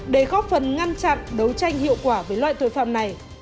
để góp phần ngăn chặn đấu tranh hiệu quả với loại tội phạm này